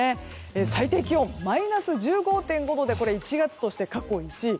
最低気温、マイナス１５．５度で１月として過去１位。